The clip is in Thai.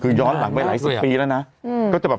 คือย้อนหลังไปหลายสิบปีแล้วนะ